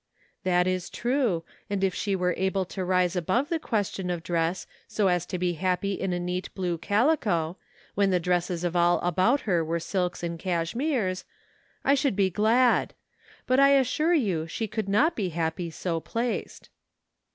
" That is true, and if she were able to rise above the question of dress so as to be happy in a neat blue calico, when the dresses of all about her were silks or cashmeres, I should be glad ; but I assure you she could not be happy so placed."